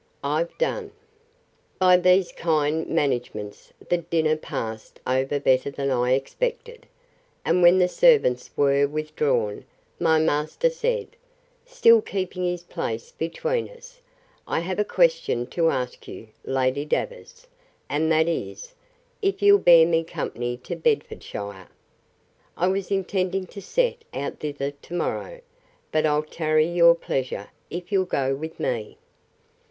I've done. By these kind managements the dinner passed over better than I expected. And when the servants were withdrawn, my master said, still keeping his place between us, I have a question to ask you, Lady Davers, and that is, If you'll bear me company to Bedfordshire? I was intending to set out thither to morrow, but I'll tarry your pleasure, if you'll go with me.